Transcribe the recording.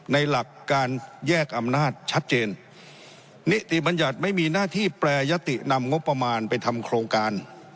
หลักการแยกอำนาจชัดเจนนิติบัญญัติไม่มีหน้าที่แปรยตินำงบประมาณไปทำโครงการ